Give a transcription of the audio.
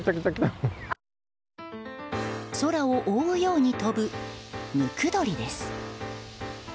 空を覆うように飛ぶムクドリです。